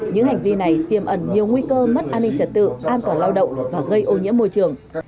những hành vi này tiềm ẩn nhiều nguy cơ mất an ninh trật tự an toàn lao động và gây ô nhiễm môi trường